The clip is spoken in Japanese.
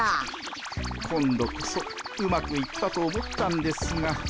今度こそうまくいったと思ったんですが。